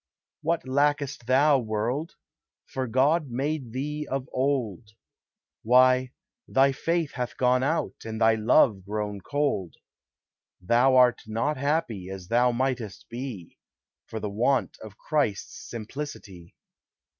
What lackest thou, world? for God made thee of old; Why, thy faith hath gone out, and thy love grown cold; Thou art not happy, as thou mightest be, For the want of Christ's simplicity.